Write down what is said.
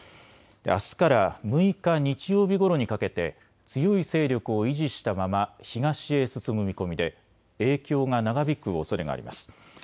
あすから６日日曜日ごろにかけて強い勢力を維持したまま東へ進む見込みで影響が長引くおそれがあります。